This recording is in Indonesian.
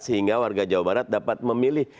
sehingga warga jawa barat dapat memilih